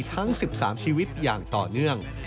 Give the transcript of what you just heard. ทั้ง๑๓ชีวิตอย่างต่อเนื่อง